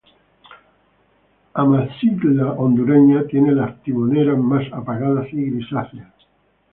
Amazilia hondureña tiene las timoneras más apagadas y grisáceas.